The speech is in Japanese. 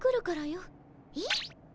えっ？